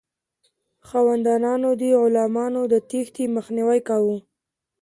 خاوندانو د غلامانو د تیښتې مخنیوی کاوه.